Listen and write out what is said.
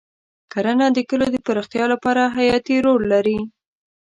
کرنه د کلیو د پراختیا لپاره حیاتي رول لري.